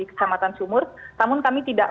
kecamatan sumur namun kami tidak